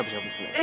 え？